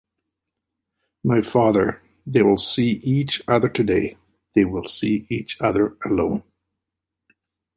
My father, they will see each other today; they will see each other alone.